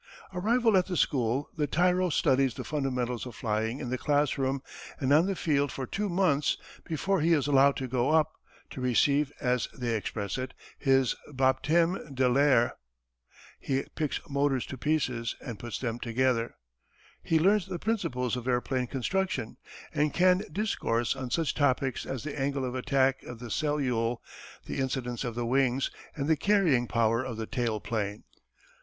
Arrived at the school the tyro studies the fundamentals of flying in the classroom and on the field for two months before he is allowed to go up to receive as they express it, his baptême de l'air. He picks motors to pieces, and puts them together, he learns the principles of airplane construction, and can discourse on such topics as the angle of attack of the cellule, the incidence of the wings, and the carrying power of the tail plane.